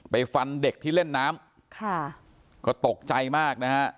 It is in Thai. ไปฟันเด็กที่เล่นน้ำค่ะก็ตกใจมากนะฮะ